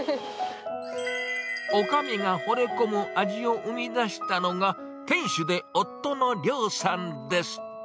おかみがほれ込む味を生み出したのが、店主で夫の亮さんです。